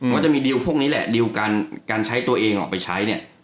ก็จะมีดิวพวกนี้แหละดิวการใช้ตัวเองออกไปใช้เนี่ย